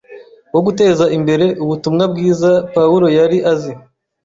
wo guteza imbere ubutumwa bwiza Pawulo yari azi